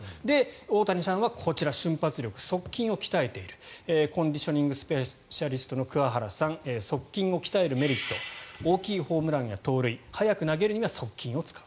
大谷さんはこちら瞬発力、速筋を鍛えているコンディショニングスペシャリストの桑原さん速筋を鍛えるメリット大きいホームランや盗塁速く投げるには速筋を使う。